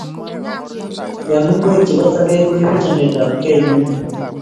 Keam ngwek chepo sokek koipu chametapkei nemie